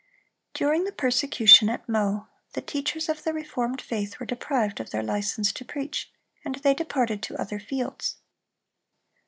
(328) During the persecution at Meaux, the teachers of the reformed faith were deprived of their license to preach, and they departed to other fields.